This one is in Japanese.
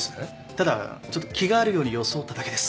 ただちょっと気があるように装っただけです。